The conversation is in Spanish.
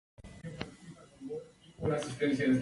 Debutó con Nelson Frazier, Jr.